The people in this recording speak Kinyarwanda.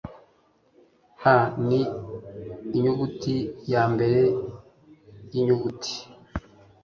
"A" ni inyuguti yambere yinyuguti.